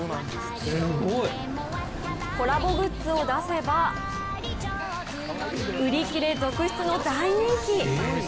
コラボグッズを出せば売り切れ続出の大人気。